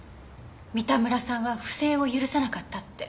三田村さんは不正を許さなかったって。